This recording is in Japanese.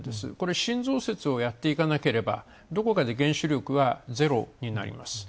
新増設をやっていかなければ、どこかで原子力はゼロになります。